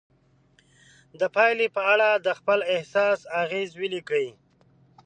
د پایلې په اړه د خپل احساس اغیز ولیکئ.